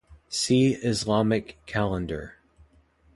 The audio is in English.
See Islamic calendar.